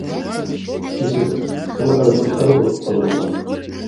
-ئىسىت ئۇ ئەرنىڭ ئەر بولۇپ قالغىنىغا!